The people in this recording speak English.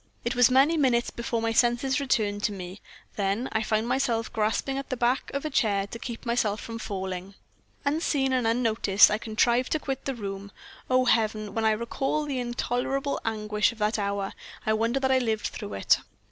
It was many minutes before my senses returned to me; then I found myself grasping the back of a chair to keep myself from falling. Unseen and unnoticed, I contrived to quit the room. Oh, Heaven! when I recall the intolerable anguish of that hour, I wonder that I lived through it.